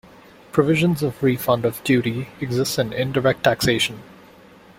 Provisions of refund of duty exists in indirect taxation.